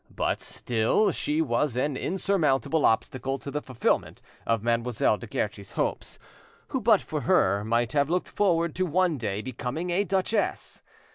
But still she was an insurmountable obstacle to the fulfilment of Mademoiselle de Guerchi's hopes, who but for her might have looked forward to one day becoming a duchess.